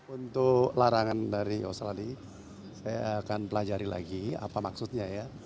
untuk larangan dari australia saya akan pelajari lagi apa maksudnya ya